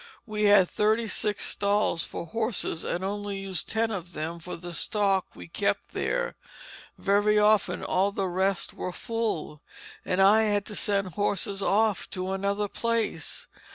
We had thirty six stalls for horses and only used ten of them for the stock we kept there. Very often all the rest were full, and I had to send horses off to another place.